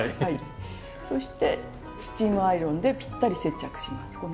そしてスチームアイロンでぴったり接着します。